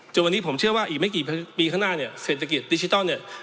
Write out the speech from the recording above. จนวันนี้ผมเชื่อว่าอีกไม่กี่ปีข้างหน้าเนี่ยเศรษฐกิจดิจิทัลเนี่ย